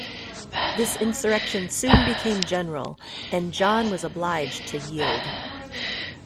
This insurrection soon became general and John was obliged to yield.